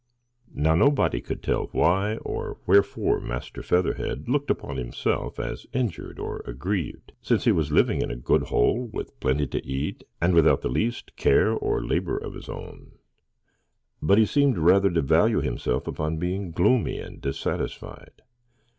Now nobody could tell why or wherefore Master Featherhead looked upon himself as injured or aggrieved, since he was living in a good hole, with plenty to eat, and without the least care or labour of his own; but he seemed rather to value himself upon being gloomy and dissatisfied.